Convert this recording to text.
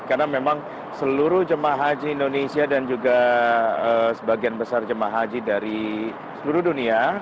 karena memang seluruh jum'ah haji indonesia dan juga sebagian besar jum'ah haji dari seluruh dunia